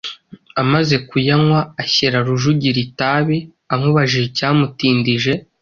Amaze kuyanywa ashyira Rujugira itabi. Amubajije icyamutindije,